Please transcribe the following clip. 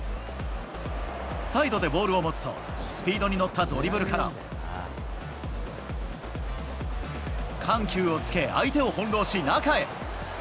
サイドでボールを持つと、スピードに乗ったドリブルから、緩急をつけ、相手を翻弄し中へ。